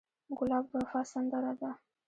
ګلاب د وفا سندره ده.